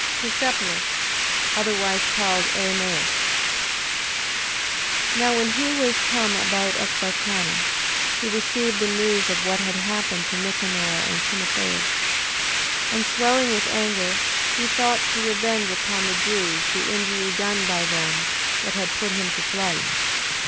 Persepolis... Otherwise called Elymais. 9:3. Now when he was come about Ecbatana, he received the news of what had happened to Nicanor and Timotheus. 9:4. And swelling with anger, he thought to revenge upon the Jews the injury done by them that had put him to flight.